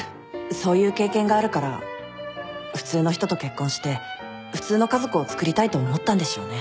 そういう経験があるから普通の人と結婚して普通の家族をつくりたいと思ったんでしょうね。